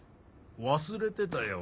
忘れてたよ